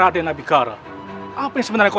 ternyata racun yang bermakna kuat